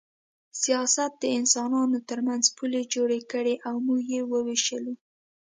سیاست د انسانانو ترمنځ پولې جوړې کړې او موږ یې ووېشلو